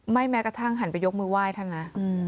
แม้กระทั่งหันไปยกมือไหว้ท่านนะ